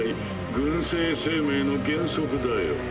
群生生命の原則だよ。